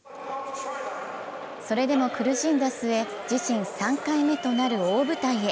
それでも苦しんだ末、自身３回目となる大舞台へ。